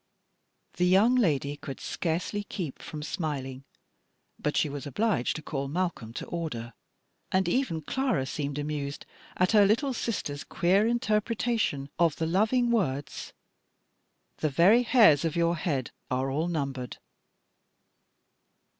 The young lady could scarcely keep from smiling, but she was obliged to call Malcolm to order, and even Clara seemed amused at her little sister's queer interpretation of the loving words, "The very hairs of your head are all numbered."